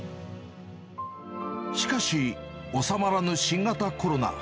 しかし、収まらぬ新型コロナ。